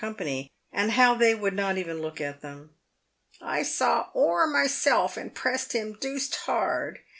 and how they would not even look at them. " I saw Orr myself, and pressed him deuced hard.